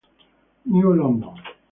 New London